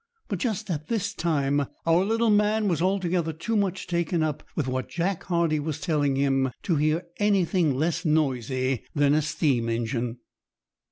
But just at this time our little man was altogether too much taken up with what Jack Hardie was telling him to hear anything less noisy than a steam engine.